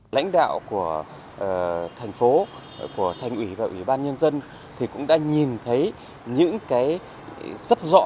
lãnh đạo của thành phố của thành ủy và ủy ban nhân dân thì cũng đã nhìn thấy những cái rất rõ